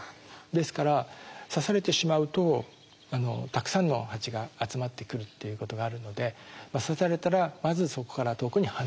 ですから刺されてしまうとたくさんのハチが集まってくるっていうことがあるので刺されたらまずそこから遠くに離れる。